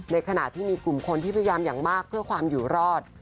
ขณะที่มีกลุ่มคนที่พยายามอย่างมากเพื่อความอยู่รอด